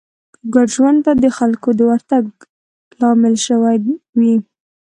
ګډ ژوند ته د خلکو د ورتګ لامل شوې وي